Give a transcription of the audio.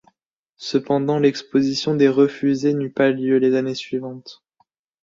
Cependant, l’exposition des refusés n’eut pas lieu les années suivantes.